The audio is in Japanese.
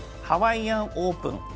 ハワイアンオープン。